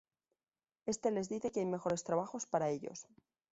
Este les dice que hay mejores trabajos para ellos.